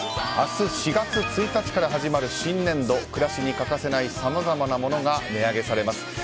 明日、４月１日から始まる新年度、暮らしに欠かせないさまざまなものが値上げされます。